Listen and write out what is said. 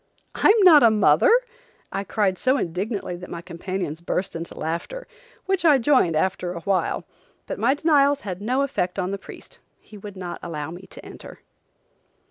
"I'm not a mother!" I cried so indignantly that my companions burst into laughter, which I joined after a while, but my denials had no effect on the priest. He would not allow me to enter.